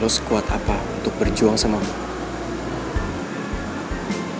lo sekuat apa untuk berjuang sama gue